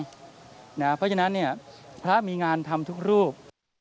เพราะฉะนั้นพระมีงานทำทุกรูป